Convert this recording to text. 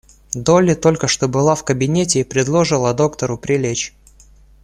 Долли только что была в кабинете и предложила доктору прилечь.